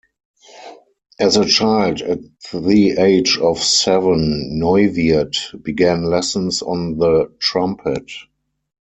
As a child at the age of seven, Neuwirth began lessons on the trumpet.